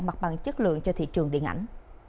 mặt bằng chất lượng cho thị trường điện ảnh